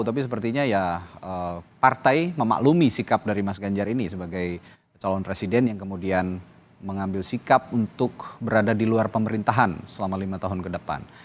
tapi sepertinya ya partai memaklumi sikap dari mas ganjar ini sebagai calon presiden yang kemudian mengambil sikap untuk berada di luar pemerintahan selama lima tahun ke depan